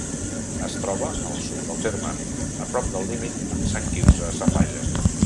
Es troba al sud del terme, a prop del límit amb Sant Quirze Safaja.